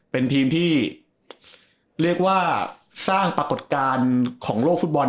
เป็นทีมที่เรียกว่าสร้างปรากฏการณ์ของโลกฟุตบอล